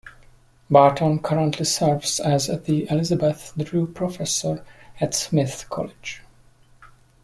Barton currently serves as the Elizabeth Drew Professor at Smith College.